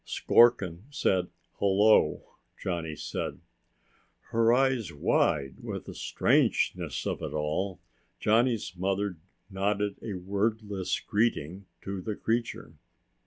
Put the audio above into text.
"Skorkin said 'hello,'" Johnny said. Her eyes wide with the strangeness of it all, Johnny's mother nodded a wordless greeting to the creature.